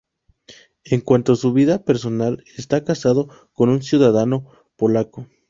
En cuanto a su vida personal, está casado con un ciudadano polaco.